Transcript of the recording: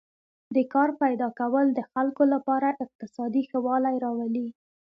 د کار پیدا کول د خلکو لپاره اقتصادي ښه والی راولي.